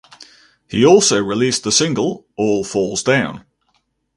He also released the single "All Falls Down".